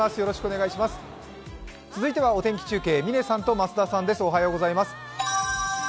続いてはお天気中継、嶺さんと増田さんです。